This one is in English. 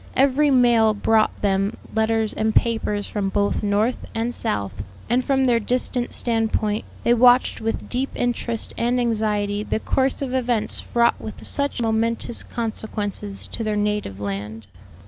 Every mail brought them letters and papers from both North and South, and from their distant standpoint they watched with deep interest and anxiety the course of events fraught with such momentous consequences to their native land.